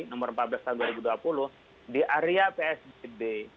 nomor empat belas tahun dua ribu dua puluh di area psbb